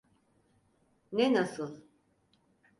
Ne nasıl?